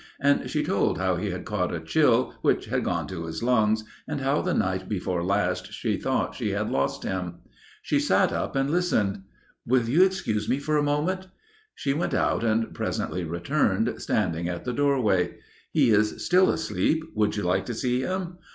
And she told how he had caught a chill which had gone to his lungs and how the night before last she thought she had lost him. She sat up and listened. "Will you excuse me for a moment?" She went out and presently returned, standing at the doorway. "He is still asleep. Would you like to see him?